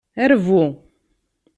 Rbu.